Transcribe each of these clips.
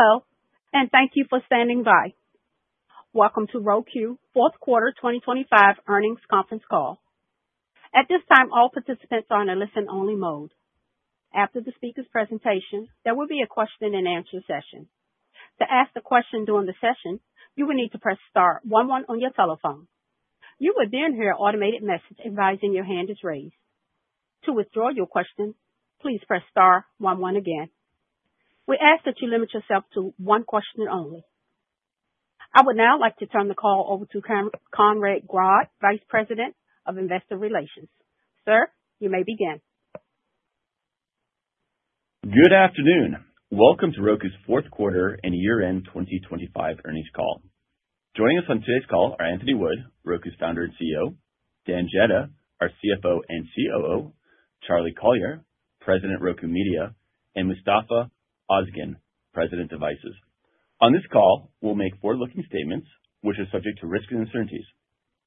Hello, and thank you for standing by. Welcome to Roku fourth quarter 2025 earnings conference call. At this time, all participants are in a listen-only mode. After the speaker's presentation, there will be a question-and-answer session. To ask a question during the session, you will need to press star one one on your telephone. You will then hear an automated message advising your hand is raised. To withdraw your question, please press star one one again. We ask that you limit yourself to one question only. I would now like to turn the call over to Conrad Grodd, Vice President of Investor Relations. Sir, you may begin. Good afternoon. Welcome to Roku's fourth quarter and year-end 2025 earnings call. Joining us on today's call are Anthony Wood, Roku's Founder and CEO, Dan Jedda, our CFO and COO, Charlie Collier, President, Roku Media, and Mustafa Ozgen, President, Devices. On this call, we'll make forward-looking statements which are subject to risks and uncertainties.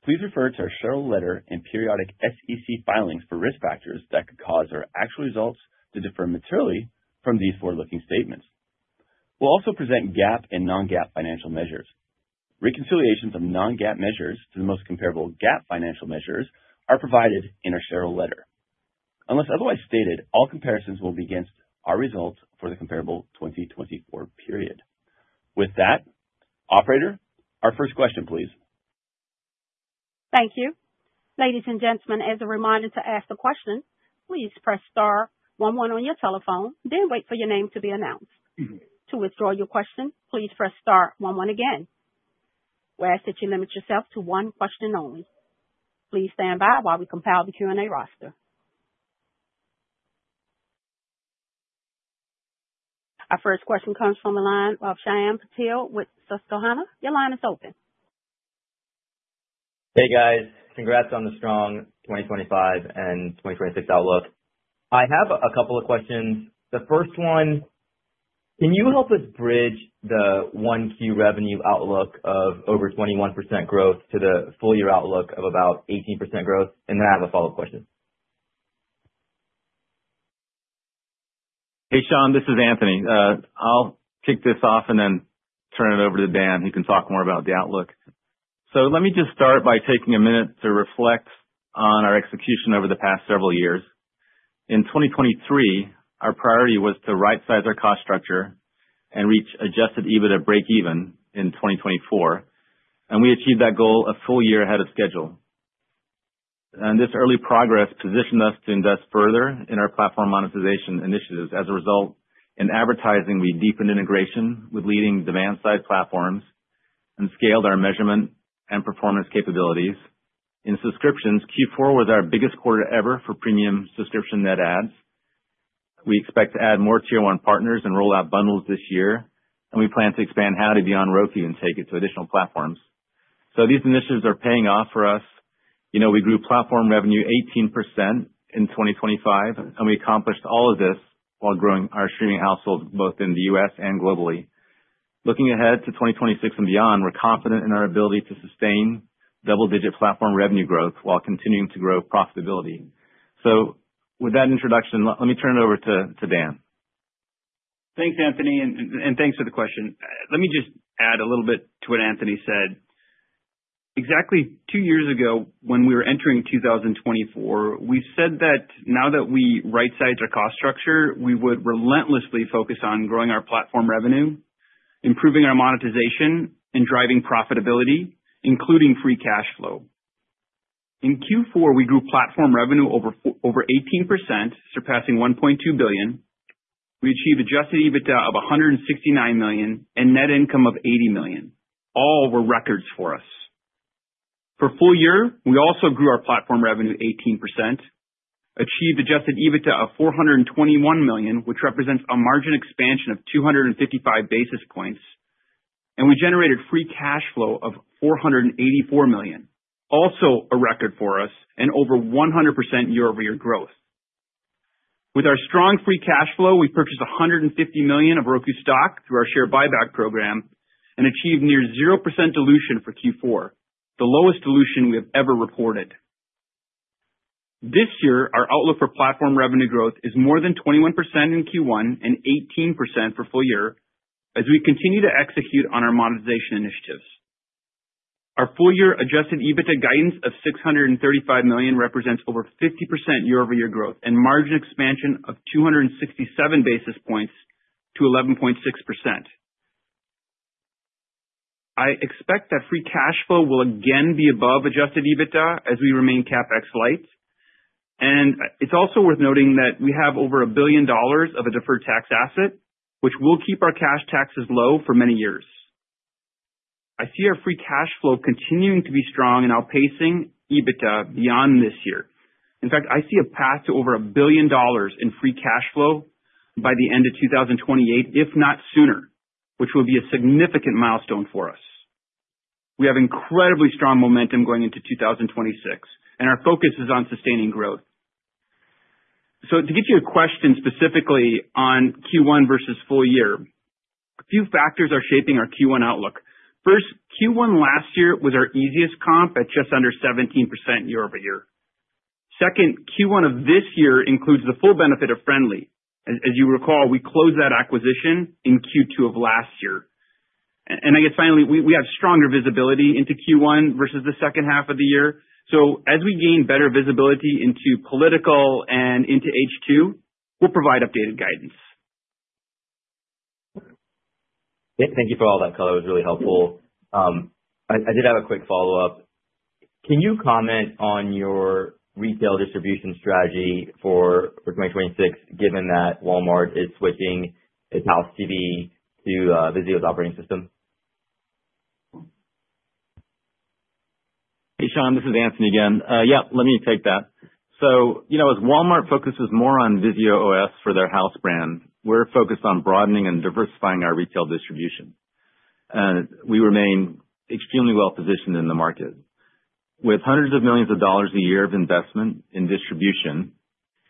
Please refer to our shareholder letter and periodic SEC filings for risk factors that could cause our actual results to differ materially from these forward-looking statements. We'll also present GAAP and non-GAAP financial measures. Reconciliations of non-GAAP measures to the most comparable GAAP financial measures are provided in our shareholder letter. Unless otherwise stated, all comparisons will be against our results for the comparable 2024 period. With that, operator, our first question, please. Thank you. Ladies and gentlemen, as a reminder, to ask a question, please press star 11 on your telephone, then wait for your name to be announced. To withdraw your question, please press star one one again. We ask that you limit yourself to one question only. Please stand by while we compile the Q&A roster. Our first question comes from the line of Shyam Patil with Susquehanna. Your line is open. Hey, guys. Congrats on the strong 2025 and 2026 outlook. I have a couple of questions. The first one: Can you help us bridge the 1Q revenue outlook of over 21% growth to the full year outlook of about 18% growth? And then I have a follow-up question. Hey, Shyam, this is Anthony. I'll kick this off and then turn it over to Dan, who can talk more about the outlook. So let me just start by taking a minute to reflect on our execution over the past several years. In 2023, our priority was to rightsize our cost structure and reach Adjusted EBITDA breakeven in 2024, and we achieved that goal a full year ahead of schedule. And this early progress positioned us to invest further in our platform monetization initiatives. As a result, in advertising, we deepened integration with leading demand-side platforms and scaled our measurement and performance capabilities. In subscriptions, Q4 was our biggest quarter ever for premium subscription net adds. We expect to add more tier one partners and roll out bundles this year, and we plan to expand Howdy on Roku and take it to additional platforms. So these initiatives are paying off for us. You know, we grew platform revenue 18% in 2025, and we accomplished all of this while growing our streaming households, both in the U.S. and globally. Looking ahead to 2026 and beyond, we're confident in our ability to sustain double-digit platform revenue growth while continuing to grow profitability. So with that introduction, let me turn it over to Dan. Thanks, Anthony, and thanks for the question. Let me just add a little bit to what Anthony said. Exactly two years ago, when we were entering 2024, we said that now that we rightsized our cost structure, we would relentlessly focus on growing our platform revenue, improving our monetization, and driving profitability, including free cash flow. In Q4, we grew platform revenue over 18%, surpassing $1.2 billion. We achieved Adjusted EBITDA of $169 million and net income of $80 million. All were records for us. For full year, we also grew our Platform revenue 18%, achieved Adjusted EBITDA of $421 million, which represents a margin expansion of 255 basis points, and we generated free cash flow of $484 million, also a record for us, and over 100% year-over-year growth. With our strong free cash flow, we purchased $150 million of Roku stock through our share buyback program and achieved near 0% dilution for Q4, the lowest dilution we have ever reported. This year, our outlook for Platform revenue growth is more than 21% in Q1 and 18% for full year, as we continue to execute on our monetization initiatives. Our full-year adjusted EBITDA guidance of $635 million represents over 50% year-over-year growth and margin expansion of 267 basis points to 11.6%. I expect that free cash flow will again be above adjusted EBITDA as we remain CapEx light. It's also worth noting that we have over $1 billion of a deferred tax asset, which will keep our cash taxes low for many years. I see our free cash flow continuing to be strong and outpacing EBITDA beyond this year. In fact, I see a path to over $1 billion in free cash flow by the end of 2028, if not sooner, which will be a significant milestone for us. We have incredibly strong momentum going into 2026, and our focus is on sustaining growth. To get to your question specifically on Q1 versus full year, a few factors are shaping our Q1 outlook. First, Q1 last year was our easiest comp at just under 17% year-over-year. Second, Q1 of this year includes the full benefit of Frndly. As you recall, we closed that acquisition in Q2 of last year. And I guess finally, we have stronger visibility into Q1 versus the second half of the year. So as we gain better visibility into political and into H2, we'll provide updated guidance. Yeah, thank you for all that color. It was really helpful. I did have a quick follow-up. Can you comment on your retail distribution strategy for 2026, given that Walmart is switching its house TV to Vizio's operating system? Hey, Shyam, this is Anthony again. Yeah, let me take that. So, you know, as Walmart focuses more on Vizio OS for their house brand, we're focused on broadening and diversifying our retail distribution. We remain extremely well positioned in the market. With $hundreds of millions a year of investment in distribution,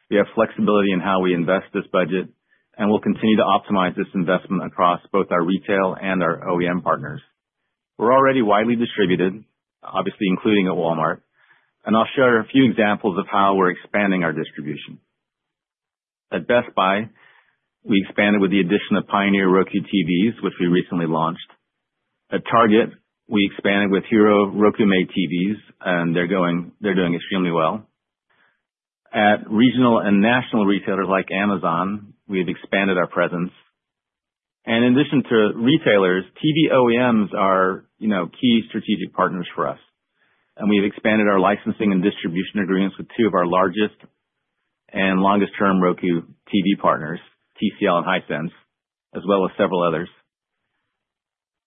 we have flexibility in how we invest this budget, and we'll continue to optimize this investment across both our retail and our OEM partners. We're already widely distributed, obviously, including at Walmart, and I'll share a few examples of how we're expanding our distribution. At Best Buy, we expanded with the addition of Pioneer Roku TVs, which we recently launched. At Target, we expanded with our Roku-made TVs, and they're doing extremely well. At regional and national retailers like Amazon, we have expanded our presence. In addition to retailers, TV OEMs are, you know, key strategic partners for us, and we've expanded our licensing and distribution agreements with two of our largest and longest term Roku TV partners, TCL and Hisense, as well as several others.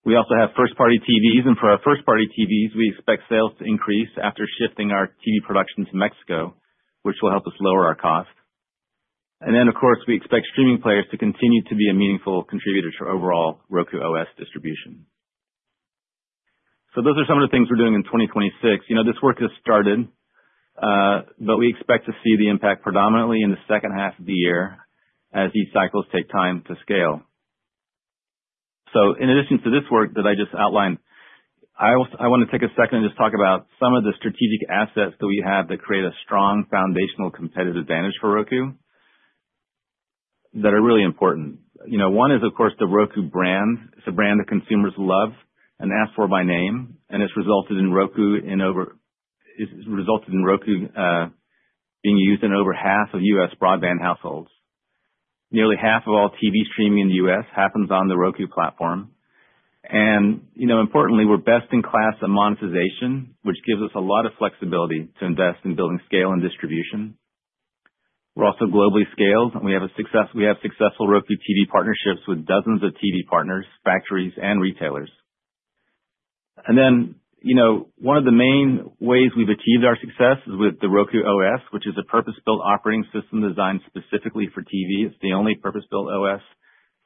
We also have first-party TVs, and for our first-party TVs, we expect sales to increase after shifting our TV production to Mexico, which will help us lower our cost. And then, of course, we expect streaming players to continue to be a meaningful contributor to overall Roku OS distribution. So those are some of the things we're doing in 2026. You know, this work has started, but we expect to see the impact predominantly in the second half of the year as these cycles take time to scale. So in addition to this work that I just outlined, I want to take a second and just talk about some of the strategic assets that we have that create a strong foundational competitive advantage for Roku, that are really important. You know, one is, of course, the Roku brand. It's a brand that consumers love and ask for by name, and it's resulted in Roku being used in over half of U.S. broadband households. Nearly half of all TV streaming in the U.S. happens on the Roku platform, and, you know, importantly, we're best in class at monetization, which gives us a lot of flexibility to invest in building scale and distribution. We're also globally scaled, and we have successful Roku TV partnerships with dozens of TV partners, factories, and retailers. And then, you know, one of the main ways we've achieved our success is with the Roku OS, which is a purpose-built operating system designed specifically for TV. It's the only purpose-built OS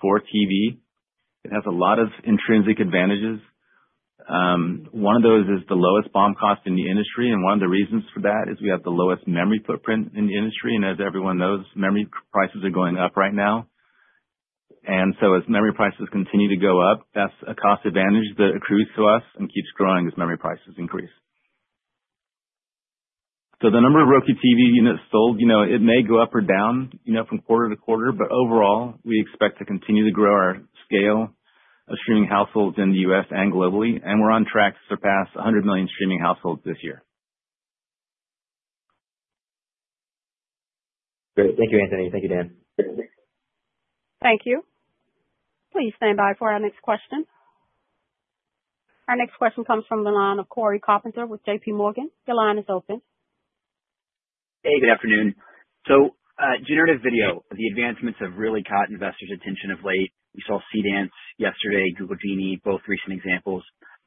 for TV. It has a lot of intrinsic advantages. One of those is the lowest BOM cost in the industry, and one of the reasons for that is we have the lowest memory footprint in the industry. And as everyone knows, memory prices are going up right now. And so as memory prices continue to go up, that's a cost advantage that accrues to us and keeps growing as memory prices increase. The number of Roku TV units sold, you know, it may go up or down, you know, from quarter to quarter, but overall, we expect to continue to grow our scale of streaming households in the U.S. and globally, and we're on track to surpass 100 million streaming households this year. Great. Thank you, Anthony. Thank you, Dan. Thank you. Please stand by for our next question. Our next question comes from the line of Cory Carpenter with JP Morgan. Your line is open. Hey, good afternoon. So, generative video, the advancements have really caught investors' attention of late. We saw CDance yesterday, Google Genie, both recent examples.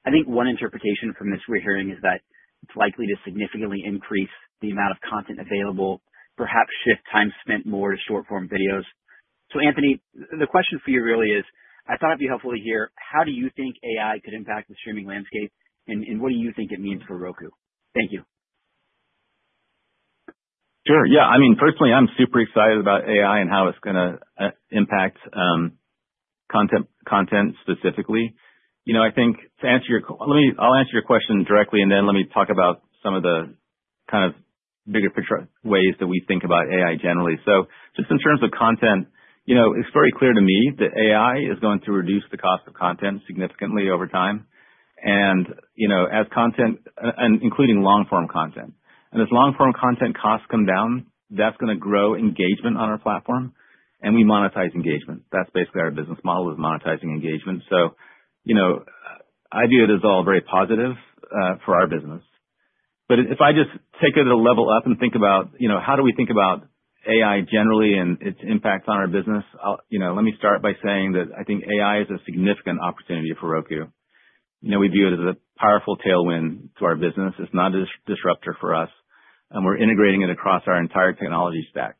I think one interpretation from this we're hearing is that it's likely to significantly increase the amount of content available, perhaps shift time spent more to short-form videos. So Anthony, the question for you really is, I thought it'd be helpful to hear how do you think AI could impact the streaming landscape, and what do you think it means for Roku? Thank you. Sure. Yeah. I mean, personally, I'm super excited about AI and how it's gonna impact content specifically. You know, I think to answer your question, let me—I'll answer your question directly, and then let me talk about some of the, kind of, bigger picture ways that we think about AI generally. So just in terms of content, you know, it's very clear to me that AI is going to reduce the cost of content significantly over time. And, you know, as content and including long-form content. And as long-form content costs come down, that's gonna grow engagement on our platform, and we monetize engagement. That's basically our business model, is monetizing engagement. So, you know, I view it as all very positive for our business. But if I just take it a level up and think about, you know, how do we think about AI generally and its impact on our business? I'll, you know, let me start by saying that I think AI is a significant opportunity for Roku. You know, we view it as a powerful tailwind to our business. It's not a disruptor for us, and we're integrating it across our entire technology stack.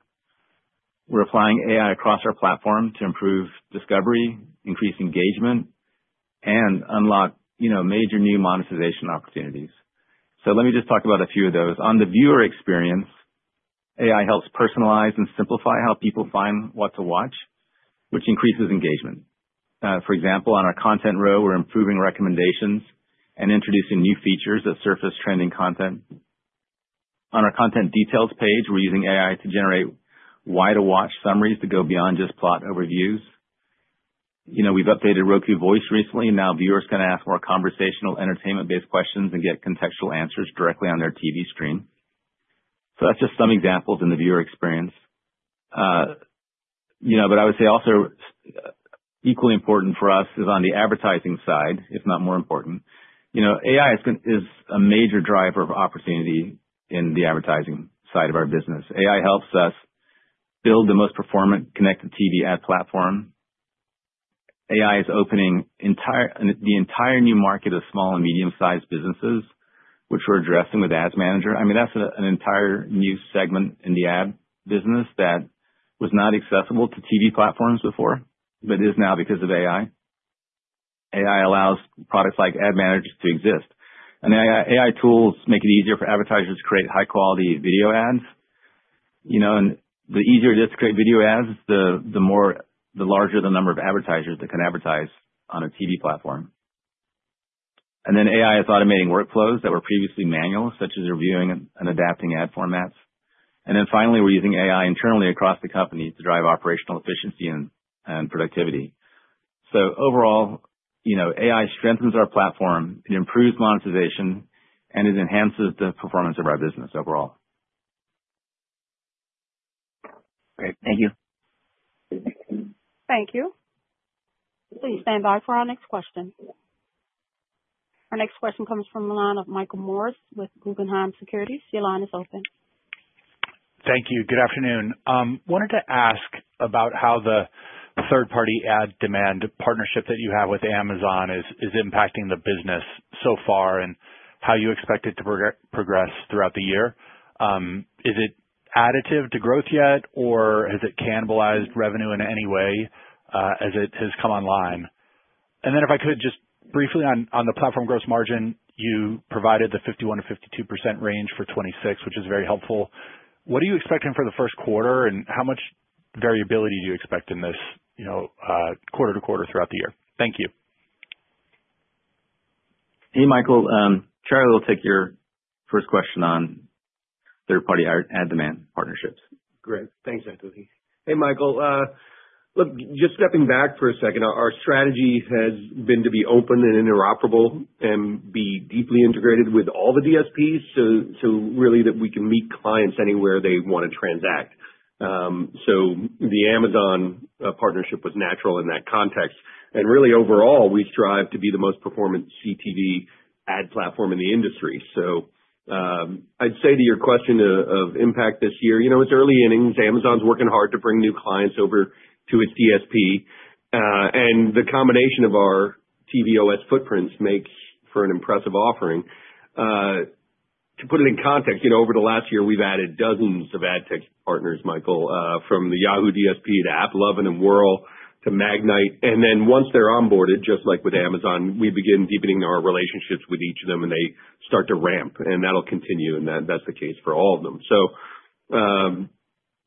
We're applying AI across our platform to improve discovery, increase engagement, and unlock, you know, major new monetization opportunities. So let me just talk about a few of those. On the viewer experience, AI helps personalize and simplify how people find what to watch... which increases engagement. For example, on our content row, we're improving recommendations and introducing new features that surface trending content. On our content details page, we're using AI to generate why to watch summaries to go beyond just plot overviews. You know, we've updated Roku Voice recently. Now, viewers can ask more conversational, entertainment-based questions and get contextual answers directly on their TV screen. So that's just some examples in the viewer experience. You know, but I would say also, equally important for us is on the advertising side, if not more important. You know, AI is a major driver of opportunity in the advertising side of our business. AI helps us build the most performant connected TV ad platform. AI is opening the entire new market of small and medium-sized businesses, which we're addressing with Ads Manager. I mean, that's an entire new segment in the ad business that was not accessible to TV platforms before, but is now because of AI. AI allows products like Ads Manager to exist, and AI tools make it easier for advertisers to create high-quality video ads. You know, and the easier it is to create video ads, the larger the number of advertisers that can advertise on a TV platform. And then AI is automating workflows that were previously manual, such as reviewing and adapting ad formats. And then finally, we're using AI internally across the company to drive operational efficiency and productivity. So overall, you know, AI strengthens our platform, it improves monetization, and it enhances the performance of our business overall. Great. Thank you. Thank you. Please stand by for our next question. Our next question comes from the line of Michael Morris with Guggenheim Securities. Your line is open. Thank you. Good afternoon. Wanted to ask about how the third-party ad demand partnership that you have with Amazon is impacting the business so far, and how you expect it to progress throughout the year. Is it additive to growth yet, or has it cannibalized revenue in any way as it has come online? And then if I could, just briefly on the platform gross margin, you provided the 51%-52% range for 2026, which is very helpful. What are you expecting for the first quarter, and how much variability do you expect in this, you know, quarter to quarter throughout the year? Thank you. Hey, Michael. Charlie will take your first question on third-party ad, ad demand partnerships. Great. Thanks, Anthony. Hey, Michael. Look, just stepping back for a second, our strategy has been to be open and interoperable and be deeply integrated with all the DSPs, so really that we can meet clients anywhere they wanna transact. So the Amazon partnership was natural in that context. And really, overall, we strive to be the most performant CTV ad platform in the industry. So I'd say to your question of impact this year, you know, it's early innings. Amazon's working hard to bring new clients over to its DSP, and the combination of our Roku OS footprints makes for an impressive offering. To put it in context, you know, over the last year, we've added dozens of ad tech partners, Michael, from the Yahoo DSP to AppLovin and Wurl to Magnite. Then once they're onboarded, just like with Amazon, we begin deepening our relationships with each of them, and they start to ramp, and that'll continue, and that's the case for all of them.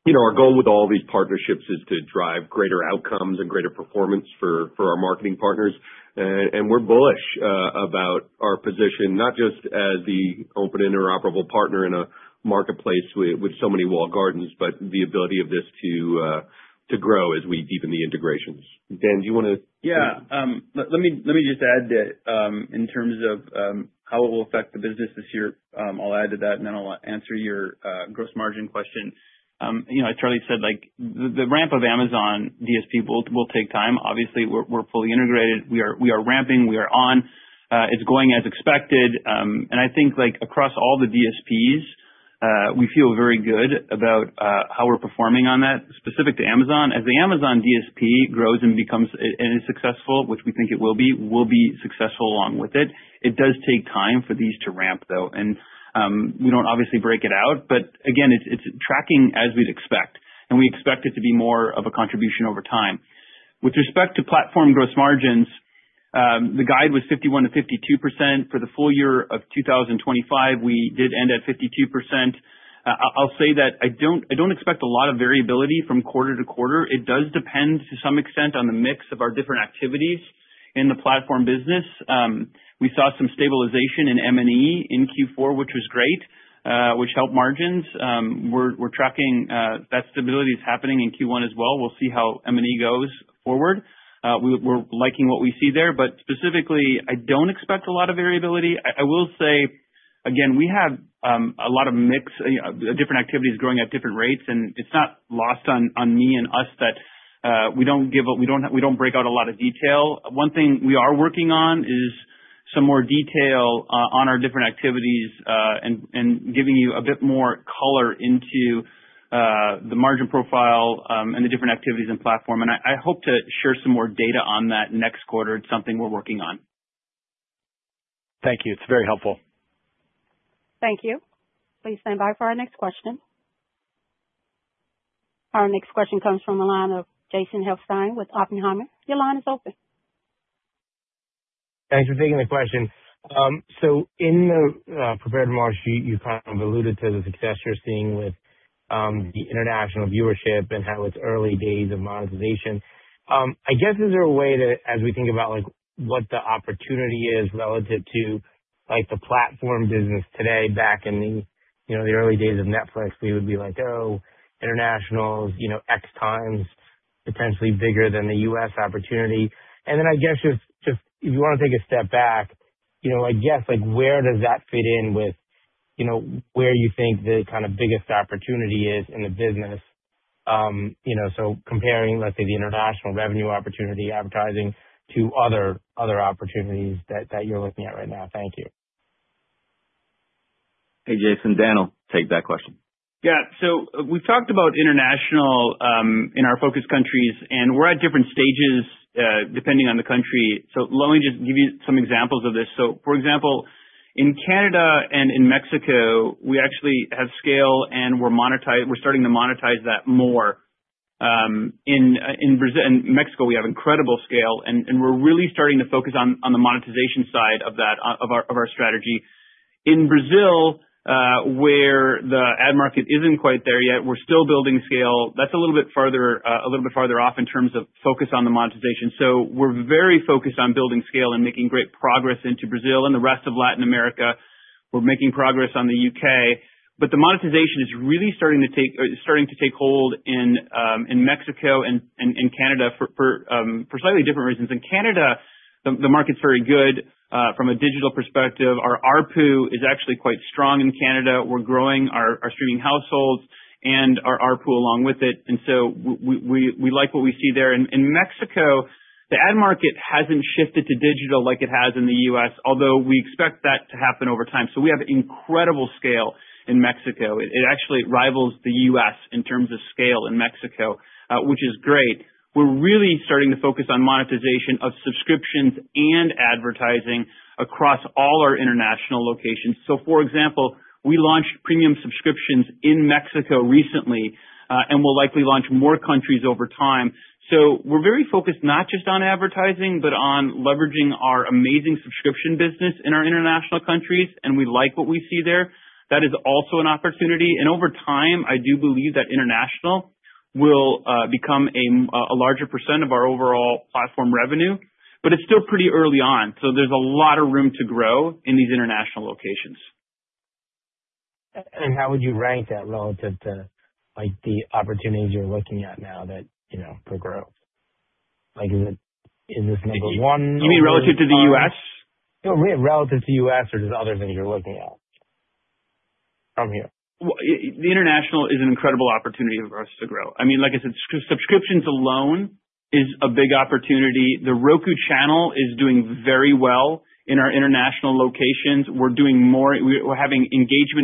You know, our goal with all these partnerships is to drive greater outcomes and greater performance for our marketing partners. We're bullish about our position, not just as the open, interoperable partner in a marketplace with so many walled gardens, but the ability of this to grow as we deepen the integrations. Dan, do you wanna- Yeah. Let me just add that, in terms of how it will affect the business this year, I'll add to that, and then I'll answer your gross margin question. You know, as Charlie said, like, the ramp of Amazon DSP will take time. Obviously, we're fully integrated. We are ramping. We are on. It's going as expected, and I think, like, across all the DSPs, we feel very good about how we're performing on that. Specific to Amazon, as the Amazon DSP grows and becomes and is successful, which we think it will be, we'll be successful along with it. It does take time for these to ramp, though, and, we don't obviously break it out, but again, it's, it's tracking as we'd expect, and we expect it to be more of a contribution over time. With respect to platform gross margins, the guide was 51%-52%. For the full year of 2025, we did end at 52%. I'll, I'll say that I don't, I don't expect a lot of variability from quarter to quarter. It does depend to some extent on the mix of our different activities in the platform business. We saw some stabilization in M&E in Q4, which was great, which helped margins. We're, we're tracking, that stability is happening in Q1 as well. We'll see how M&E goes forward. We're liking what we see there, but specifically, I don't expect a lot of variability. I will say, again, we have a lot of mix, different activities growing at different rates, and it's not lost on me and us that we don't give, we don't break out a lot of detail. One thing we are working on is some more detail on our different activities, and giving you a bit more color into the margin profile, and the different activities and platform. And I hope to share some more data on that next quarter. It's something we're working on. Thank you. It's very helpful. Thank you. Please stand by for our next question. Our next question comes from the line of Jason Helfstein with Oppenheimer. Your line is open. Thanks for taking the question. So in the prepared launch sheet, you kind of alluded to the success you're seeing with the international viewership and how it's early days of monetization. I guess, is there a way to, as we think about, like, what the opportunity is relative to, like, the platform business today, back in the, you know, the early days of Netflix, we would be like, "Oh, international, you know, X times potentially bigger than the U.S. opportunity." And then I guess just, just if you want to take a step back, you know, I guess, like, where does that fit in with, you know, where you think the kind of biggest opportunity is in the business? You know, so comparing, let's say, the international revenue opportunity, advertising to other, other opportunities that, that you're looking at right now. Thank you. Hey, Jason, Dan will take that question. Yeah. So we've talked about international, in our focus countries, and we're at different stages, depending on the country. So let me just give you some examples of this. So, for example, in Canada and in Mexico, we actually have scale, and we're starting to monetize that more. In Mexico, we have incredible scale, and we're really starting to focus on the monetization side of that, of our strategy. In Brazil, where the ad market isn't quite there yet, we're still building scale. That's a little bit farther off in terms of focus on the monetization. So we're very focused on building scale and making great progress into Brazil and the rest of Latin America. We're making progress on the UK. But the monetization is really starting to take hold in Mexico and Canada for slightly different reasons. In Canada, the market's very good from a digital perspective. Our ARPU is actually quite strong in Canada. We're growing our streaming households and our ARPU along with it, and so we like what we see there. In Mexico, the ad market hasn't shifted to digital like it has in the US, although we expect that to happen over time. So we have incredible scale in Mexico. It actually rivals the US in terms of scale in Mexico, which is great. We're really starting to focus on monetization of subscriptions and advertising across all our international locations. So for example, we launched premium subscriptions in Mexico recently, and will likely launch more countries over time. So we're very focused not just on advertising, but on leveraging our amazing subscription business in our international countries, and we like what we see there. That is also an opportunity, and over time, I do believe that international will become a larger percent of our overall platform revenue. But it's still pretty early on, so there's a lot of room to grow in these international locations. How would you rank that relative to, like, the opportunities you're looking at now that, you know, for growth? Like, is it, is this number one? You mean relative to the U.S.? No, relative to U.S. or just other things you're looking at... from here. Well, the international is an incredible opportunity for us to grow. I mean, like I said, subscriptions alone is a big opportunity. The Roku Channel is doing very well in our international locations. Engagement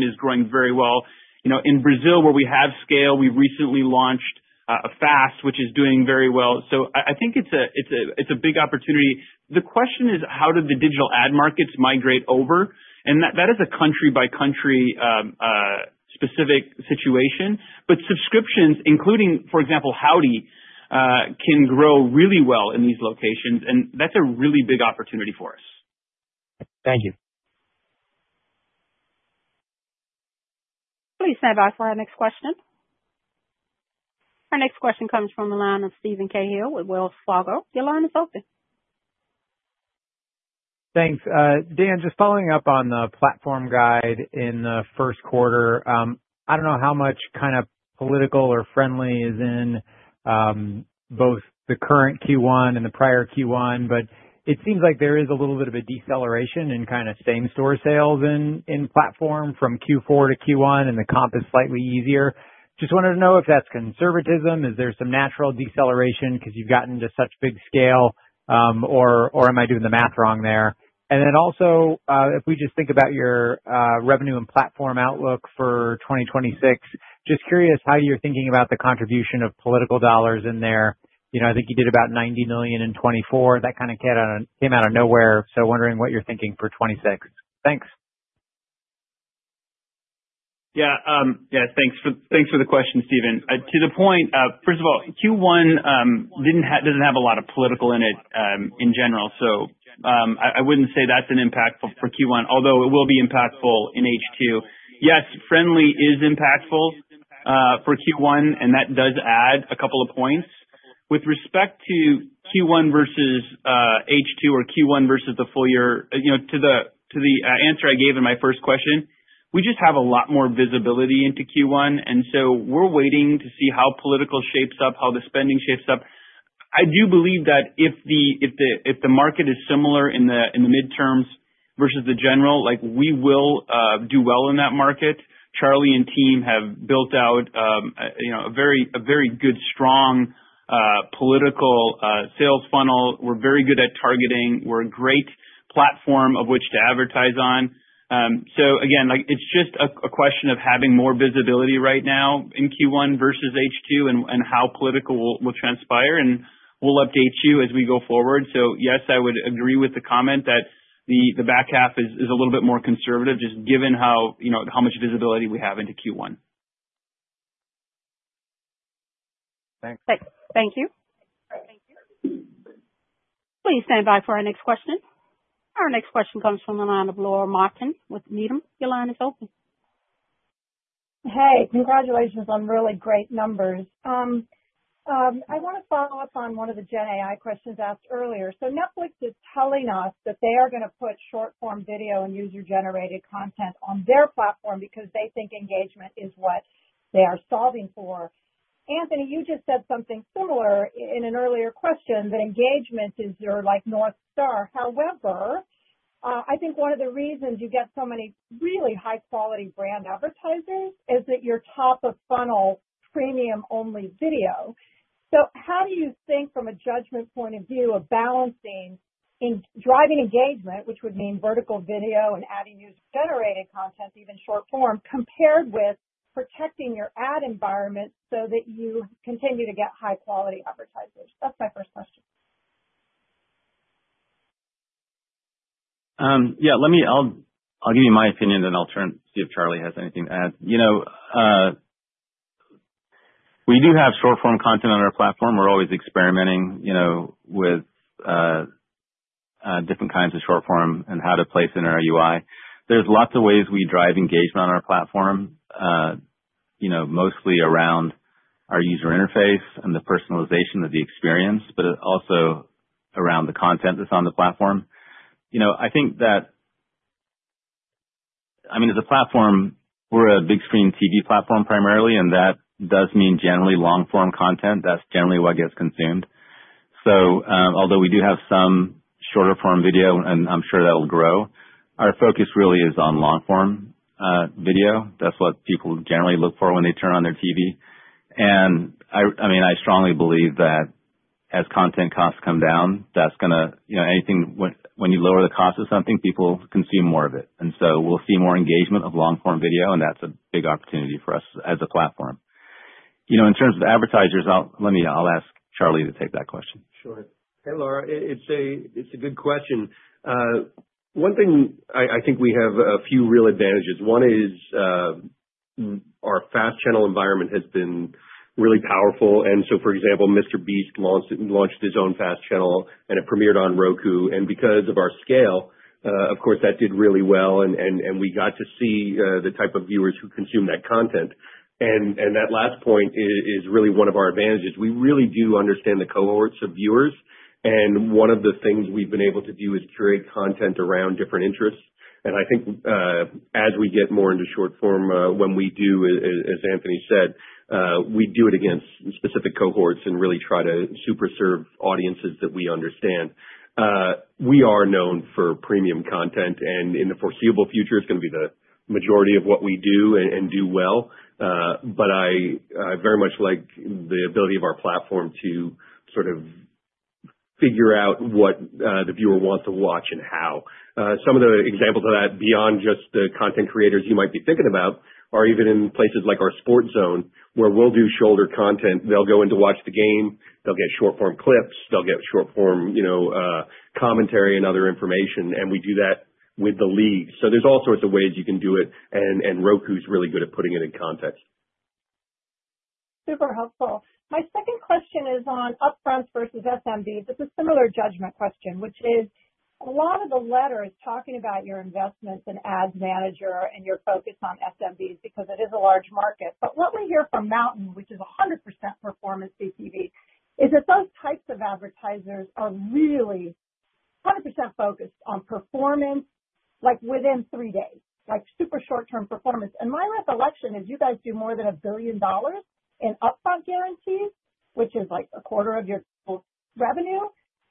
is growing very well. You know, in Brazil, where we have scale, we recently launched FAST, which is doing very well. So I think it's a big opportunity. The question is, how do the digital ad markets migrate over? And that is a country by country specific situation. But subscriptions, including, for example, Howdy, can grow really well in these locations, and that's a really big opportunity for us. Thank you. Please stand by for our next question. Our next question comes from the line of Steven Cahall, with Wells Fargo. Your line is open. Thanks. Dan, just following up on the platform guide in the first quarter. I don't know how much kind of political or Frndly is in, both the current Q1 and the prior Q1, but it seems like there is a little bit of a deceleration in kind of same store sales in, in platform from Q4 to Q1, and the comp is slightly easier. Just wanted to know if that's conservatism, is there some natural deceleration because you've gotten to such big scale, or, or am I doing the math wrong there? And then also, if we just think about your, revenue and platform outlook for 2026, just curious how you're thinking about the contribution of political dollars in there. You know, I think you did about $90 million in 2024. That kind of came out of nowhere, so wondering what you're thinking for 2026. Thanks. Yeah, thanks for the question, Steven. To the point, first of all, Q1 doesn't have a lot of political in it, in general, so I wouldn't say that's an impact for Q1, although it will be impactful in H2. Yes, Frndly is impactful for Q1, and that does add a couple of points. With respect to Q1 versus H2, or Q1 versus the full year, you know, to the answer I gave in my first question, we just have a lot more visibility into Q1, and so we're waiting to see how political shapes up, how the spending shapes up. I do believe that if the market is similar in the midterms versus the general, like, we will do well in that market. Charlie and team have built out, you know, a very good, strong political sales funnel. We're very good at targeting. We're a great platform of which to advertise on. So again, like, it's just a question of having more visibility right now in Q1 versus H2, and how political will transpire, and we'll update you as we go forward. So yes, I would agree with the comment that the back half is a little bit more conservative, just given how, you know, how much visibility we have into Q1. Thanks. Thank you. Thank you. Please stand by for our next question. Our next question comes from the line of Laura Martin with Needham. Your line is open. Hey, congratulations on really great numbers. I want to follow up on one of the Gen AI questions asked earlier. So Netflix is telling us that they are going to put short-form video and user-generated content on their platform because they think engagement is what they are solving for. Anthony, you just said something similar in an earlier question, that engagement is your, like, North Star. However, I think one of the reasons you get so many really high-quality brand advertisers is that you're top of funnel premium-only video. So how do you think from a judgment point of view of balancing in driving engagement, which would mean vertical video and adding user-generated content, even short form, compared with protecting your ad environment so that you continue to get high-quality advertisers? That's my first question. Yeah, let me- I'll give you my opinion, then I'll turn and see if Charlie has anything to add. You know, we do have short-form content on our platform. We're always experimenting, you know, with different kinds of short form and how to place it in our UI. There's lots of ways we drive engagement on our platform, you know, mostly around our user interface and the personalization of the experience, but also around the content that's on the platform. You know, I think that... I mean, as a platform, we're a big screen TV platform primarily, and that does mean generally long-form content. That's generally what gets consumed. So, although we do have some shorter-form video, and I'm sure that'll grow, our focus really is on long-form video. That's what people generally look for when they turn on their TV. I mean, I strongly believe that as content costs come down, that's gonna, you know, when you lower the cost of something, people consume more of it. And so we'll see more engagement of long-form video, and that's a big opportunity for us as a platform. You know, in terms of advertisers, I'll ask Charlie to take that question. Sure. Hey, Laura, it's a good question. One thing I think we have a few real advantages. One is, our fast channel environment has been really powerful. And so, for example, Mr. Beast launched his own fast channel, and it premiered on Roku. And because of our scale, of course, that did really well, and we got to see the type of viewers who consume that content. And that last point is really one of our advantages. We really do understand the cohorts of viewers, and one of the things we've been able to do is curate content around different interests. And I think, as we get more into short form, when we do, as Anthony said, we do it against specific cohorts and really try to super serve audiences that we understand. We are known for premium content, and in the foreseeable future, it's going to be the majority of what we do and, and do well. But I, I very much like the ability of our platform to sort of figure out what, the viewer wants to watch and how. Some of the examples of that, beyond just the content creators you might be thinking about, are even in places like our Sports Zone, where we'll do shoulder content. They'll go in to watch the game, they'll get short-form clips, they'll get short form, you know, commentary and other information, and we do that with the league. So there's all sorts of ways you can do it, and, and Roku's really good at putting it in context. Super helpful. My second question is on upfront versus SMBs. It's a similar judgment question, which is, a lot of the letter is talking about your investments in Ads Manager and your focus on SMBs, because it is a large market. But what we hear from MNTN, which is 100% performance CTV, is that those types of advertisers are really 100% focused on performance, like, within three days, like, super short-term performance. And my recollection is you guys do more than $1 billion in upfront guarantees, which is like a quarter of your total revenue.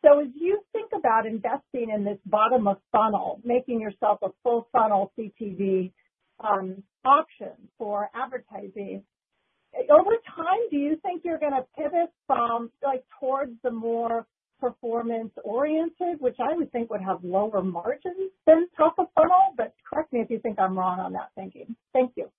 So as you think about investing in this bottom-of-funnel, making yourself a full funnel CTV, option for advertising, over time, do you think you're going to pivot from, like, towards the more performance-oriented, which I would think would have lower margins than top of funnel? Correct me if you think I'm wrong on that thinking. Thank you.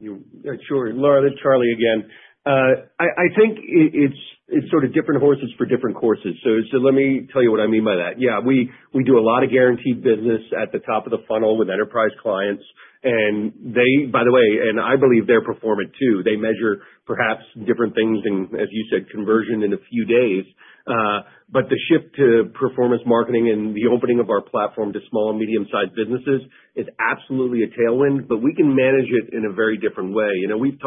Sure, Laura, this is Charlie again. I think it's sort of different horses for different courses. So let me tell you what I mean by that. Yeah, we do a lot of guaranteed business at the top of the funnel with enterprise clients, and they, by the way, and I believe they're performant too. They measure perhaps different things, and as you said, conversion in a few days. But the shift to performance marketing and the opening of our platform to small and medium-sized businesses is absolutely a tailwind, but we can manage it in a very different way. You know, we've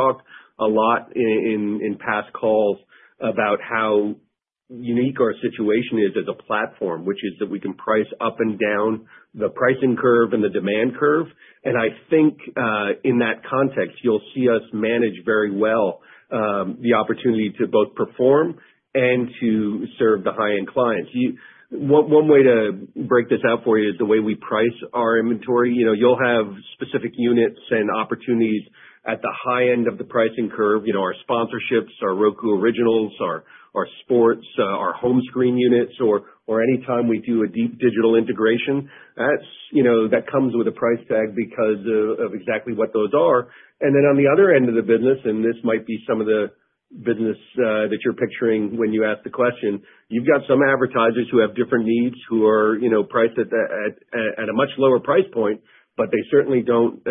talked a lot in past calls about how unique our situation is as a platform, which is that we can price up and down the pricing curve and the demand curve. I think, in that context, you'll see us manage very well the opportunity to both perform and to serve the high-end clients. One way to break this out for you is the way we price our inventory. You know, you'll have specific units and opportunities at the high end of the pricing curve. You know, our sponsorships, our Roku Originals, our sports, our home screen units, or anytime we do a deep digital integration, that's, you know, that comes with a price tag because of exactly what those are. And then on the other end of the business, and this might be some of the business that you're picturing when you ask the question, you've got some advertisers who have different needs, who are, you know, priced at a much lower price point, but they certainly don't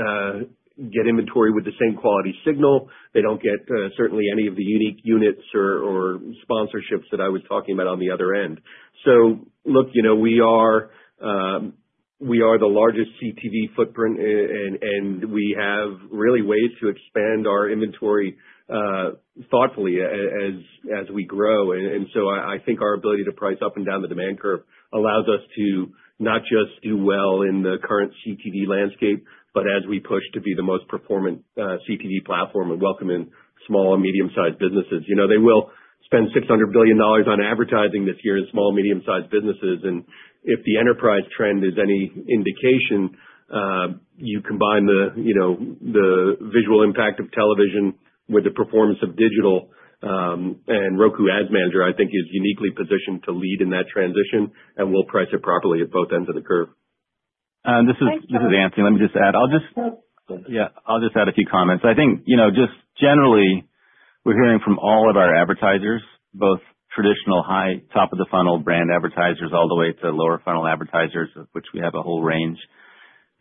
get inventory with the same quality signal. They don't get certainly any of the unique units or sponsorships that I was talking about on the other end. So look, you know, we are the largest CTV footprint, and we have really ways to expand our inventory thoughtfully as we grow. So I think our ability to price up and down the demand curve allows us to not just do well in the current CTV landscape, but as we push to be the most performant CTV platform and welcome in small and medium-sized businesses. You know, they will spend $600 billion on advertising this year in small, medium-sized businesses, and if the enterprise trend is any indication, you combine the, you know, the visual impact of television with the performance of digital, and Roku Ad Manager, I think, is uniquely positioned to lead in that transition, and we'll price it properly at both ends of the curve. This is Anthony. Let me just add. I'll just- Go ahead. Yeah, I'll just add a few comments. I think, you know, just generally, we're hearing from all of our advertisers, both traditional, high, top-of-the-funnel brand advertisers, all the way to lower funnel advertisers, of which we have a whole range,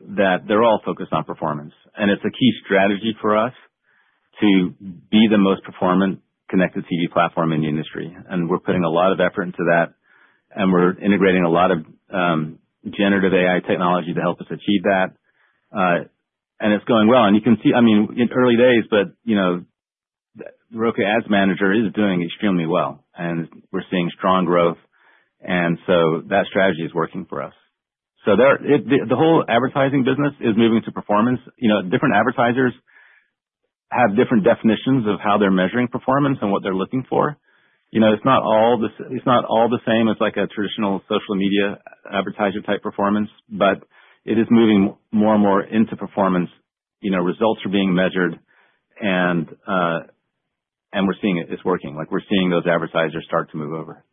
that they're all focused on performance. And it's a key strategy for us to be the most performant connected CE platform in the industry. And we're putting a lot of effort into that, and we're integrating a lot of generative AI technology to help us achieve that. And it's going well. And you can see... I mean, in early days, but, you know, Roku Ads Manager is doing extremely well, and we're seeing strong growth, and so that strategy is working for us. So there, the whole advertising business is moving to performance. You know, different advertisers have different definitions of how they're measuring performance and what they're looking for. You know, it's not all the same as, like, a traditional social media advertiser-type performance, but it is moving more and more into performance. You know, results are being measured, and, and we're seeing it, it's working. Like, we're seeing those advertisers start to move over.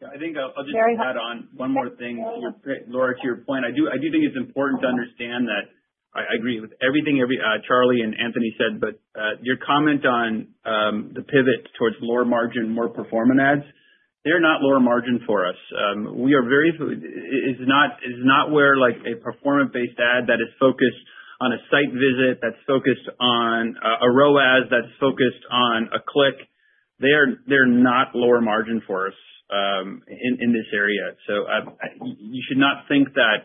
Yeah, I think I'll just add on one more thing. Great, Laura, to your point, I do think it's important to understand that I agree with everything Charlie and Anthony said, but your comment on the pivot towards lower margin, more performant ads, they're not lower margin for us. We are very—it's not, it's not where like a performant-based ad that is focused on a site visit, that's focused on a ROAS ad, that's focused on a click. They're not lower margin for us in this area. So you should not think that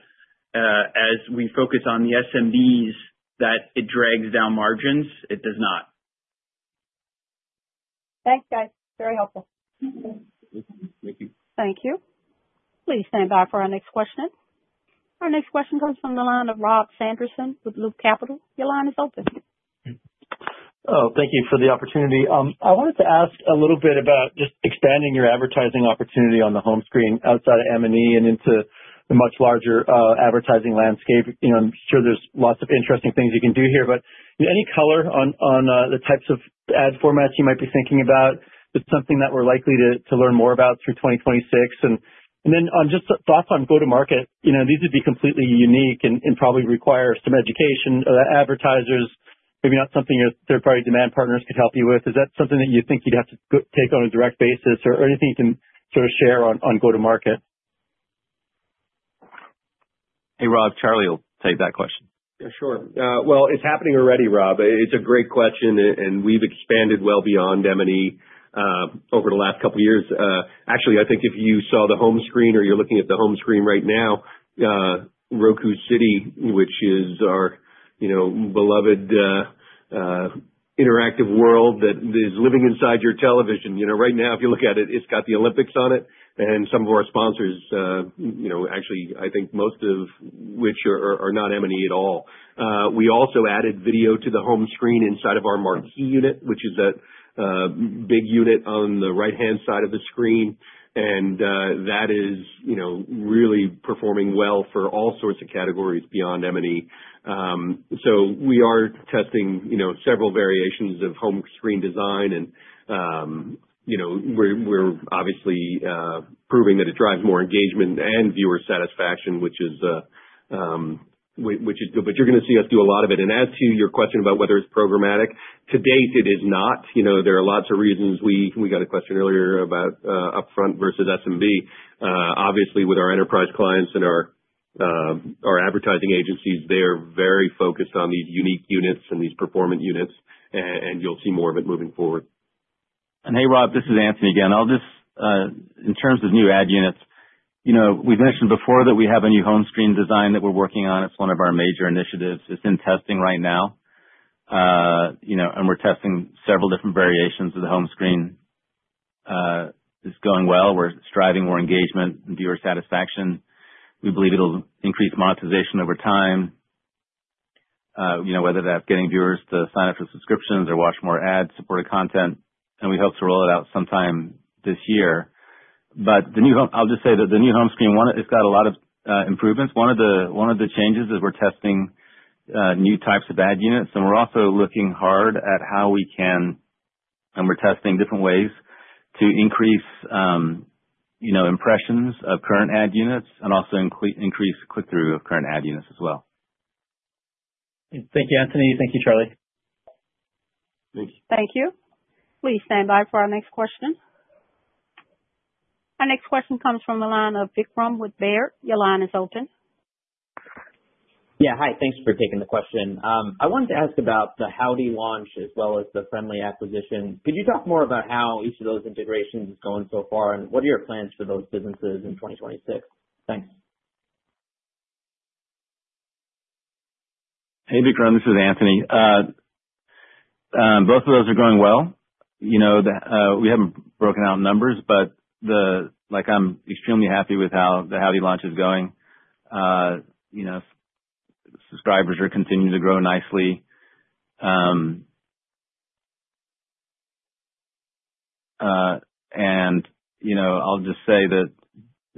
as we focus on the SMBs, that it drags down margins. It does not. Thanks, guys. Very helpful. Thank you. Thank you. Thank you. Please stand by for our next question. Our next question comes from the line of Rob Sanderson with Loop Capital. Your line is open. Oh, thank you for the opportunity. I wanted to ask a little bit about just expanding your advertising opportunity on the home screen outside of M&E and into the much larger, advertising landscape. You know, I'm sure there's lots of interesting things you can do here, but any color on, the types of ad formats you might be thinking about? It's something that we're likely to learn more about through 2026. And then on, just thoughts on go-to-market. You know, these would be completely unique and probably require some education of the advertisers, maybe not something that third party demand partners could help you with. Is that something that you think you'd have to take on a direct basis, or anything you can sort of share on, go-to-market? Hey, Rob, Charlie will take that question. Yeah, sure. Well, it's happening already, Rob. It's a great question, and we've expanded well beyond M&E over the last couple of years. Actually, I think if you saw the home screen or you're looking at the home screen right now, Roku City, which is our, you know, beloved interactive world, that is living inside your television. You know, right now, if you look at it, it's got the Olympics on it, and some of our sponsors, you know, actually, I think most of which are not M&E at all. We also added video to the home screen inside of our marquee unit, which is a big unit on the right-hand side of the screen, and that is, you know, really performing well for all sorts of categories beyond M&E. So we are testing, you know, several variations of home screen design, and, you know, we're obviously proving that it drives more engagement and viewer satisfaction, which is, but you're gonna see us do a lot of it. And as to your question about whether it's programmatic, to date, it is not. You know, there are lots of reasons. We got a question earlier about upfront versus SMB. Obviously, with our enterprise clients and our advertising agencies, they are very focused on these unique units and these performant units, and you'll see more of it moving forward. Hey, Rob, this is Anthony again. I'll just, in terms of new ad units, you know, we've mentioned before that we have a new home screen design that we're working on. It's one of our major initiatives. It's in testing right now. You know, and we're testing several different variations of the home screen. It's going well. We're striving more engagement and viewer satisfaction. We believe it'll increase monetization over time, you know, whether that's getting viewers to sign up for subscriptions or watch more ad-supported content, and we hope to roll it out sometime this year. But the new home screen, I'll just say that the new home screen, one, it's got a lot of improvements. One of the, one of the changes is we're testing new types of ad units, and we're also looking hard at how we can... We're testing different ways to increase, you know, impressions of current ad units and also increase click-through of current ad units as well. Thank you, Anthony. Thank you, Charlie. Thanks. Thank you. Please stand by for our next question. Our next question comes from the line of Vikram with Baird. Your line is open. Yeah, hi. Thanks for taking the question. I wanted to ask about the Howdy launch as well as the Frndly acquisition. Could you talk more about how each of those integrations is going so far, and what are your plans for those businesses in 2026? Thanks. Hey, Vikram, this is Anthony. Both of those are going well. You know, we haven't broken out numbers, but—like, I'm extremely happy with how the Howdy launch is going. You know, subscribers are continuing to grow nicely. And, you know, I'll just say that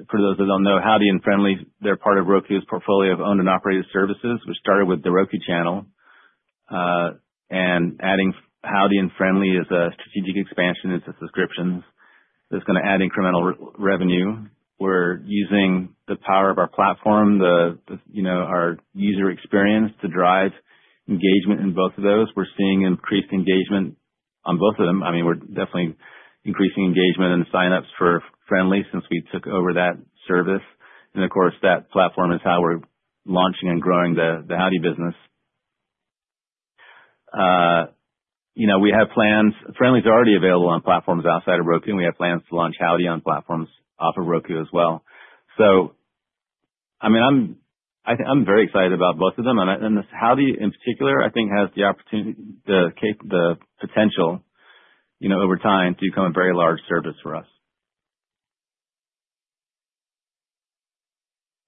for those that don't know, Howdy and Frndly, they're part of Roku's portfolio of owned and operated services, which started with The Roku Channel. And adding Howdy and Frndly is a strategic expansion into subscriptions that's gonna add incremental revenue. We're using the power of our platform, you know, our user experience to drive engagement in both of those. We're seeing increased engagement on both of them. I mean, we're definitely increasing engagement and signups for Frndly since we took over that service. Of course, that platform is how we're launching and growing the Howdy business. You know, we have plans. Frndly is already available on platforms outside of Roku, and we have plans to launch Howdy on platforms off of Roku as well. So I mean, I think I'm very excited about both of them, and Howdy in particular, I think, has the opportunity, the potential, you know, over time, to become a very large service for us.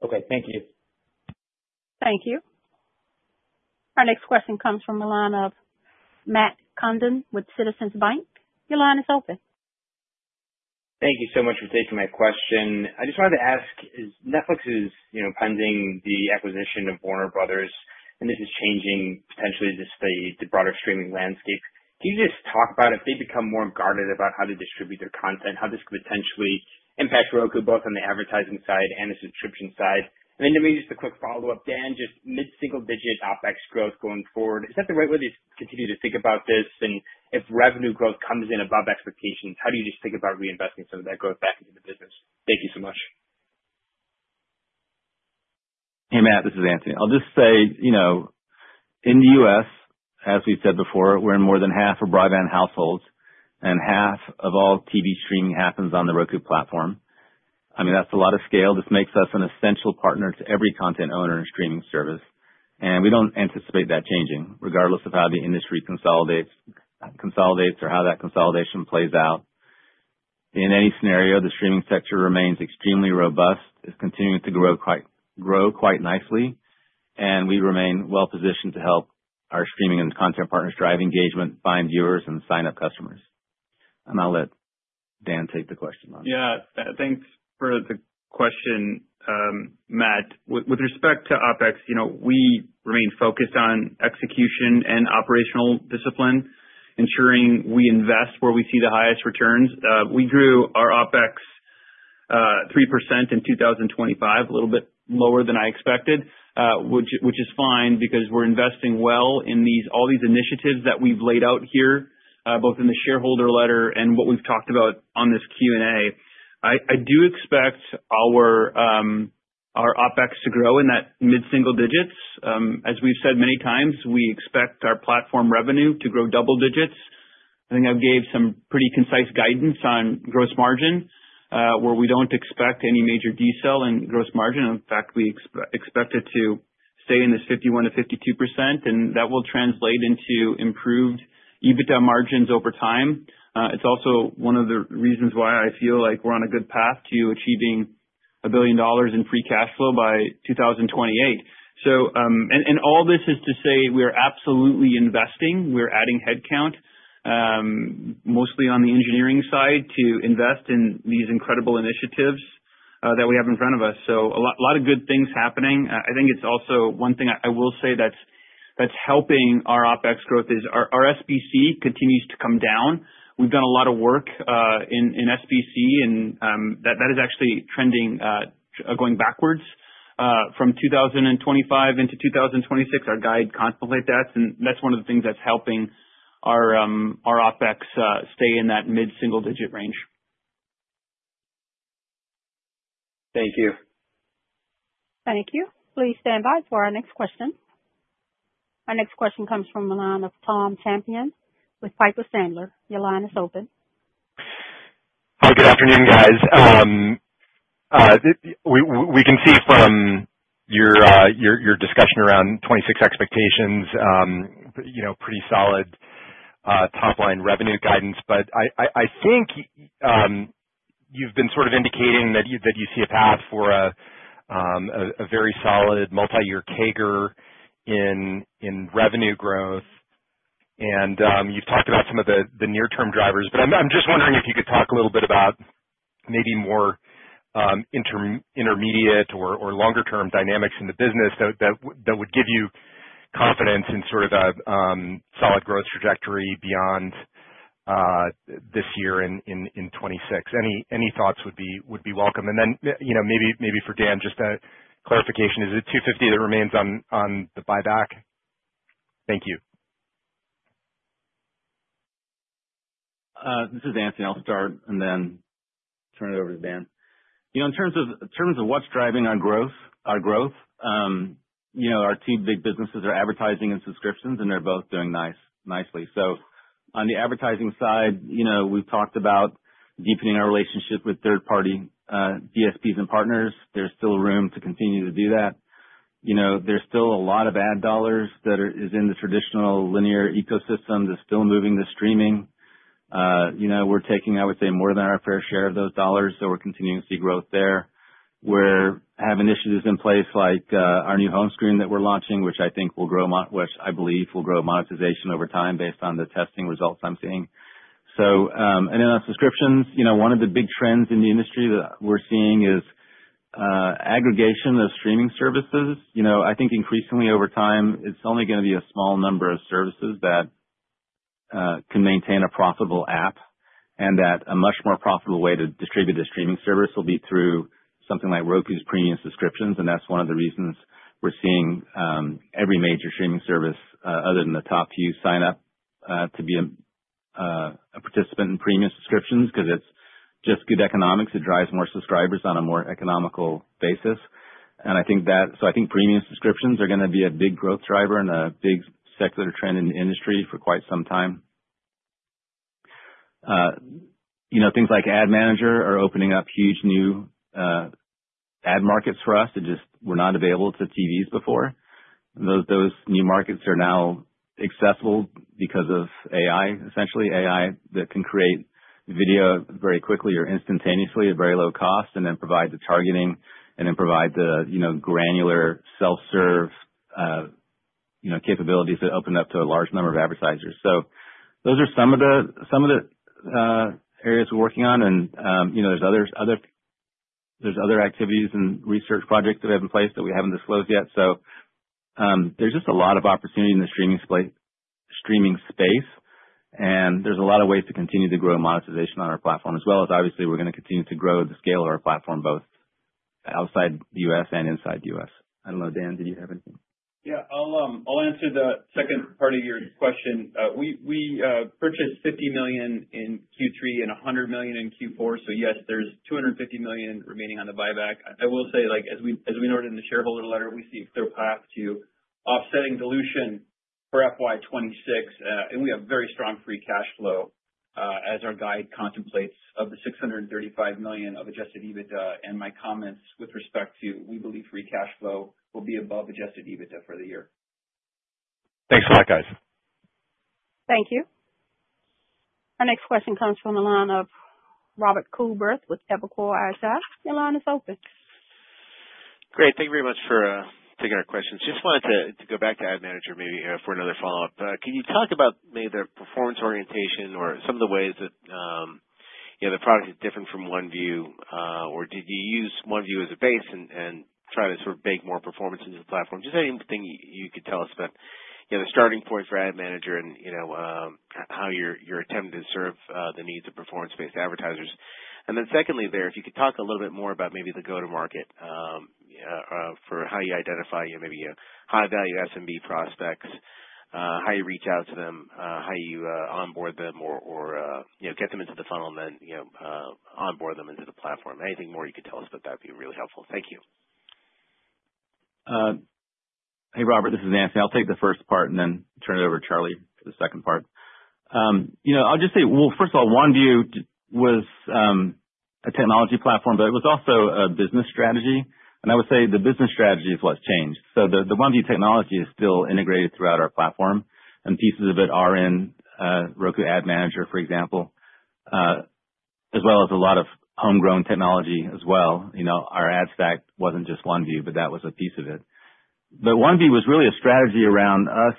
Okay, thank you. Thank you. Our next question comes from the line of Matt Condon with Citizens Bank. Your line is open. Thank you so much for taking my question. I just wanted to ask, as Netflix is, you know, pending the acquisition of Warner Bros., and this is changing, potentially, just the, the broader streaming landscape, can you just talk about if they become more guarded about how to distribute their content, how this could potentially impact Roku, both on the advertising side and the subscription side? And then maybe just a quick follow-up, Dan, just mid-single digit OPEX growth going forward, is that the right way to continue to think about this? And if revenue growth comes in above expectations, how do you just think about reinvesting some of that growth back into the business? Thank you so much. Hey, Matt, this is Anthony. I'll just say, you know, in the US, as we've said before, we're in more than half of broadband households, and half of all TV streaming happens on the Roku platform. I mean, that's a lot of scale. This makes us an essential partner to every content owner and streaming service, and we don't anticipate that changing regardless of how the industry consolidates, consolidates or how that consolidation plays out. In any scenario, the streaming sector remains extremely robust. It's continuing to grow quite nicely, and we remain well positioned to help our streaming and content partners drive engagement, find viewers and sign up customers. I'll let Dan take the question on. Yeah, thanks for the question, Matt. With respect to OPEX, you know, we remain focused on execution and operational discipline, ensuring we invest where we see the highest returns. We grew our OPEX 3% in 2025, a little bit lower than I expected, which is fine because we're investing well in all these initiatives that we've laid out here, both in the shareholder letter and what we've talked about on this Q&A. I do expect our OPEX to grow in that mid-single digits. As we've said many times, we expect our platform revenue to grow double digits. I think I've gave some pretty concise guidance on gross margin, where we don't expect any major decel in gross margin. In fact, we expect it to stay in this 51%-52%, and that will translate into improved EBITDA margins over time. It's also one of the reasons why I feel like we're on a good path to achieving $1 billion in free cash flow by 2028. So, and all this is to say we are absolutely investing. We're adding headcount, mostly on the engineering side, to invest in these incredible initiatives that we have in front of us. So a lot, lot of good things happening. I think it's also one thing I will say that's helping our OPEX growth is our SBC continues to come down. We've done a lot of work in SBC, and that is actually trending going backwards. From 2025 into 2026, our guide contemplate that, and that's one of the things that's helping our OPEX stay in that mid-single digit range. Thank you. Thank you. Please stand by for our next question. Our next question comes from the line of Tom Champion with Piper Sandler. Your line is open. Good afternoon, guys. We can see from your discussion around 2026 expectations, you know, pretty solid top line revenue guidance. But I think you've been sort of indicating that you see a path for a very solid multi-year CAGR in revenue growth. And you've talked about some of the near-term drivers, but I'm just wondering if you could talk a little bit about maybe more intermediate or longer-term dynamics in the business that would give you confidence in sort of a solid growth trajectory beyond this year in 2026. Any thoughts would be welcome. And then you know, maybe for Dan, just a clarification: Is it $250 that remains on the buyback? Thank you. This is Anthony. I'll start and then turn it over to Dan. You know, in terms of what's driving our growth, you know, our two big businesses are advertising and subscriptions, and they're both doing nicely. So on the advertising side, you know, we've talked about deepening our relationship with third-party DSPs and partners. There's still room to continue to do that. You know, there's still a lot of ad dollars that is in the traditional linear ecosystem that's still moving to streaming. You know, we're taking, I would say, more than our fair share of those dollars, so we're continuing to see growth there. We're having initiatives in place like our new home screen that we're launching, which I think will grow, which I believe will grow monetization over time based on the testing results I'm seeing. So, and then on subscriptions, you know, one of the big trends in the industry that we're seeing is aggregation of streaming services. You know, I think increasingly over time, it's only gonna be a small number of services that can maintain a profitable app, and that a much more profitable way to distribute a streaming service will be through something like Roku's Premium Subscriptions, and that's one of the reasons we're seeing every major streaming service other than the top few sign up to be a participant in Premium Subscriptions, 'cause it's just good economics. It drives more subscribers on a more economical basis. And I think so I think premium subscriptions are gonna be a big growth driver and a big secular trend in the industry for quite some time. You know, things like Ads Manager are opening up huge new ad markets for us that just were not available to TVs before. Those new markets are now accessible because of AI, essentially AI, that can create video very quickly or instantaneously at very low cost, and then provide the targeting, and then provide the, you know, granular, self-serve, you know, capabilities that open up to a large number of advertisers. So those are some of the areas we're working on. And you know, there's others, there's other activities and research projects that we have in place that we haven't disclosed yet. So, there's just a lot of opportunity in the streaming space, and there's a lot of ways to continue to grow monetization on our platform, as well as obviously, we're gonna continue to grow the scale of our platform, both outside the U.S. and inside the U.S. I don't know, Dan, did you have anything? Yeah. I'll answer the second part of your question. We purchased $50 million in Q3 and $100 million in Q4, so yes, there's $250 million remaining on the buyback. I will say, like, as we noted in the shareholder letter, we see a clear path to offsetting dilution for FY 2026. And we have very strong free cash flow, as our guide contemplates of the $635 million of Adjusted EBITDA, and my comments with respect to we believe free cash flow will be above Adjusted EBITDA for the year. Thanks a lot, guys. Thank you. Our next question comes from the line of Robert Coolbrith with Evercore ISI. Your line is open. Great, thank you very much for taking our questions. Just wanted to go back to Ads Manager, maybe, for another follow-up. Can you talk about maybe the performance orientation or some of the ways that, you know, the product is different from OneView? Or did you use OneView as a base and try to sort of bake more performance into the platform? Just anything you could tell us about, you know, the starting point for Ads Manager and, you know, how you're attempting to serve the needs of performance-based advertisers. And then secondly there, if you could talk a little bit more about maybe the go-to-market for how you identify your high-value SMB prospects, how you reach out to them, how you onboard them or, or, you know, get them into the funnel and then, you know, onboard them into the platform. Anything more you could tell us about that would be really helpful. Thank you. Hey, Robert, this is Anthony. I'll take the first part and then turn it over to Charlie for the second part. You know, I'll just say, well, first of all, OneView was a technology platform, but it was also a business strategy, and I would say the business strategy is what's changed. So the OneView technology is still integrated throughout our platform, and pieces of it are in Roku Ads Manager, for example, as well as a lot of homegrown technology as well. You know, our ad stack wasn't just OneView, but that was a piece of it. But OneView was really a strategy around us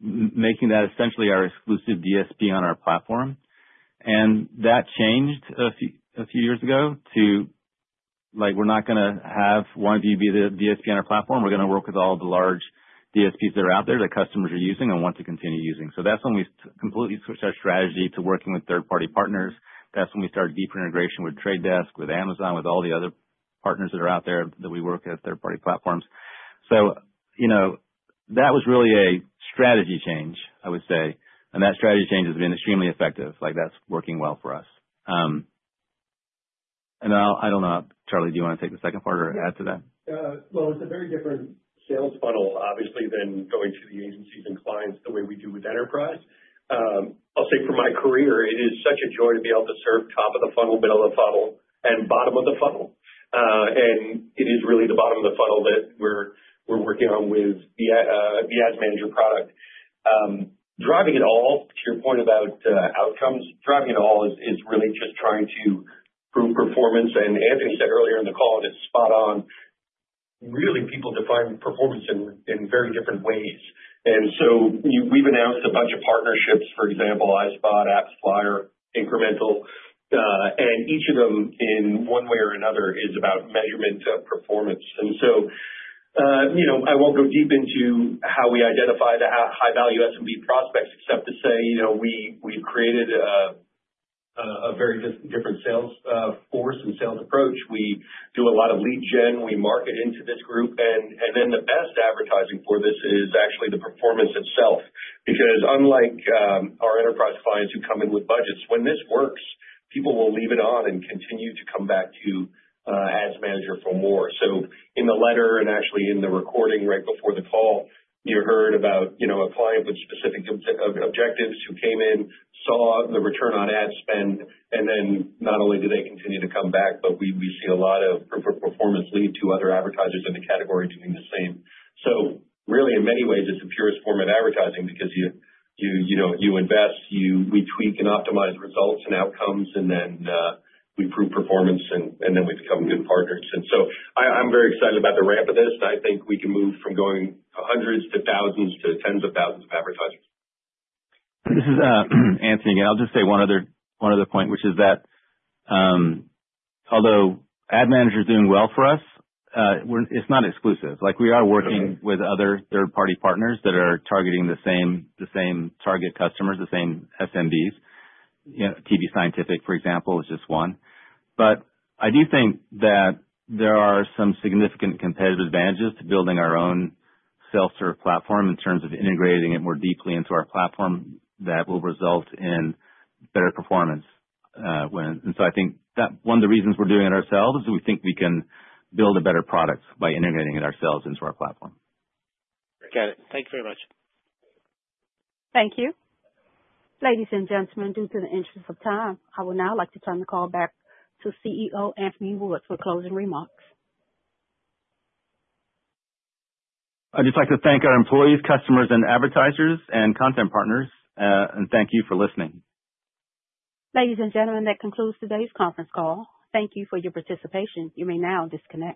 making that essentially our exclusive DSP on our platform. That changed a few years ago to, like, we're not gonna have OneView be the DSP on our platform. We're gonna work with all the large DSPs that are out there, that customers are using and want to continue using. So that's when we completely switched our strategy to working with third-party partners. That's when we started deeper integration with Trade Desk, with Amazon, with all the other partners that are out there that we work with, third-party platforms. So, you know, that was really a strategy change, I would say, and that strategy change has been extremely effective, like, that's working well for us. And I'll, I don't know, Charlie, do you want to take the second part or add to that? Yeah. Well, it's a very different sales funnel, obviously, than going to the agencies and clients the way we do with enterprise. I'll say from my career, it is such a joy to be able to serve top of the funnel, middle of the funnel, and bottom of the funnel. And it is really the bottom of the funnel that we're working on with the Ads Manager product. Driving it all, to your point about outcomes, driving it all is really just trying to prove performance. And Anthony said earlier in the call, and it's spot on, really, people define performance in very different ways. And so we've announced a bunch of partnerships, for example, iSpot, AppsFlyer, Incremental, and each of them, in one way or another, is about measurement of performance. And so, you know, I won't go deep into how we identify the high-value SMB prospects, except to say, you know, we, we've created a very different sales force and sales approach. We do a lot of lead gen. We market into this group. And, and then the best advertising for this is actually the performance itself. Because unlike our enterprise clients who come in with budgets, when this works, people will leave it on and continue to come back to Ads Manager for more. So in the letter, and actually in the recording right before the call, you heard about, you know, a client with specific objectives, who came in, saw the return on ad spend, and then not only do they continue to come back, but we, we see a lot of performance lead to other advertisers in the category doing the same. So really, in many ways, it's the purest form of advertising because you, you, you know, you invest, we tweak and optimize results and outcomes, and then, we prove performance and, and then we become good partners. And so I, I'm very excited about the ramp of this. I think we can move from going hundreds to thousands to tens of thousands of advertisers. This is Anthony, and I'll just say one other point, which is that, although Ads Manager is doing well for us, we're—it's not exclusive. Like, we are working- Okay. with other third-party partners that are targeting the same, the same target customers, the same SMBs. You know, TV Scientific, for example, is just one. But I do think that there are some significant competitive advantages to building our own self-serve platform, in terms of integrating it more deeply into our platform, that will result in better performance when... And so I think that one of the reasons we're doing it ourselves is we think we can build a better product by integrating it ourselves into our platform. Got it. Thank you very much. Thank you. Ladies and gentlemen, in the interest of time, I would now like to turn the call back to CEO Anthony Wood for closing remarks. I'd just like to thank our employees, customers, and advertisers, and content partners, and thank you for listening. Ladies and gentlemen, that concludes today's conference call. Thank you for your participation. You may now disconnect.